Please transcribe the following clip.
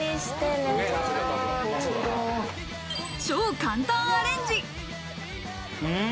超簡単アレンジ。